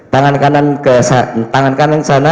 tangan kanan ke sana